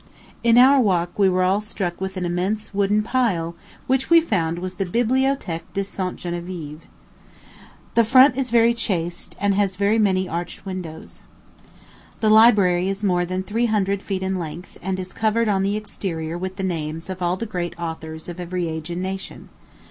In our walk we were all struck with an immense wooden pile, which we found was the Bibliothèque St. Geneviéve. The front is very chaste, and has very many arched windows. The library is more than three hundred feet in length, and is covered on the exterior with the names of all the great authors of every age and nation.